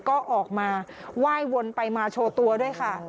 ก็ออกมาไหว้วนไปมาโชว์ตัวด้วยค่ะ